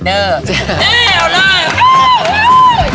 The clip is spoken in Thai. เย้เอาล่ะ